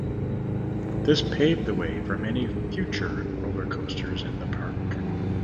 This paved the way for many future roller coasters in the park.